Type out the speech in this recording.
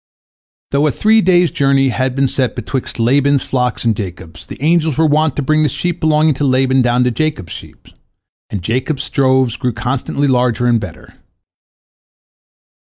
Though a three days' journey had been set betwixt Laban's flocks and Jacob's, the angels were wont to bring the sheep belonging to Laban down to Jacob's sheep, and Jacob's droves grew constantly larger and better.